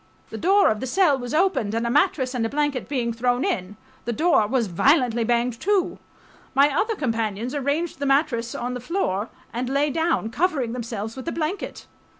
The door of the cell was opened and a mattress and a blanket being thrown in, the door was violently banged to .... My other ... companions arranged the mattress on the floor and lay down, covering themselves with the blanket.